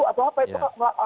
atau apa itu